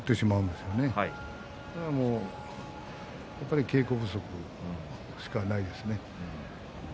だからやっぱり稽古不足しかないですね。